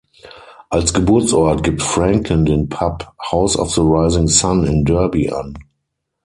Als Geburtsort gibt Franklin den Pub „House of the Rising Sun“ in Derby an.